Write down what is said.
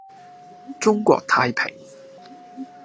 中國太平